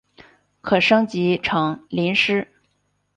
可升级成麟师。